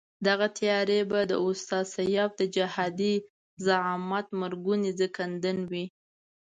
دغه تیاري به د استاد سیاف د جهادي زعامت مرګوني ځنکندن وي.